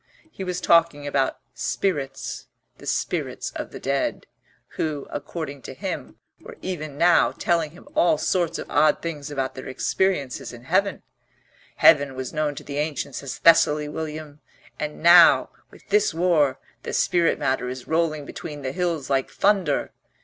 He was talking about spirits the spirits of the dead, who, according to him, were even now telling him all sorts of odd things about their experiences in Heaven. "Heaven was known to the ancients as Thessaly, William, and now, with this war, the spirit matter is rolling between the hills like thunder."